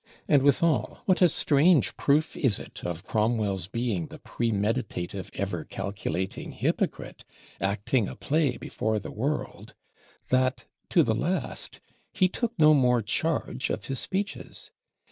And withal, what a strange proof is it of Cromwell's being the premeditative ever calculating hypocrite, acting a play before the world, that to the last he took no more charge of his Speeches!